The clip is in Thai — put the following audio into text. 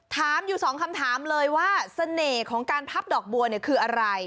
ถามอยู่สองคำถามเลยว่าเสน่ห์ของการพับดอกบัวเนี่ยคืออะไร